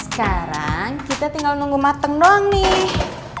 sekarang kita tinggal nunggu mateng dong nih